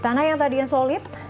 tanah yang tadi yang solid